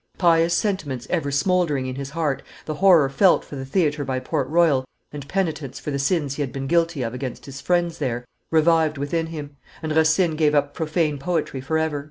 Pious sentiments ever smouldering in his heart, the horror felt for the theatre by Port Royal, and penitence for the sins he had been guilty of against his friends there, revived within him; and Racine gave up profane poetry forever.